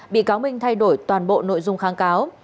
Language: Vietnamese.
bị cáo minh thay đổi toàn bộ nội dung kháng cáo